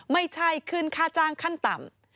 ไม่ใช่ขึ้นค่าจ้างขั้นต่ำ